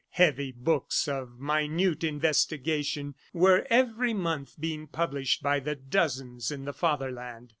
Heavy books of minute investigation were every month being published by the dozens in the Fatherland.